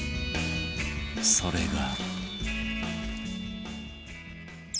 それが